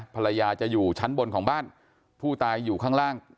ภรรยาจะอยู่ชั้นบนของบ้านผู้ตายอยู่ข้างล่าง